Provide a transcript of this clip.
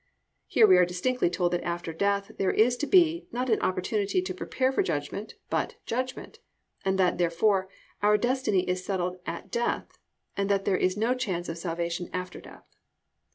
"+ Here we are distinctly told that "after death" there is to be, not an opportunity to prepare for judgment, but "judgment," and that, therefore, our destiny is settled at death, and that there is no chance of salvation "after death."